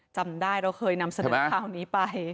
จำได้เราเคยนำเสนอข่าวนี้ไป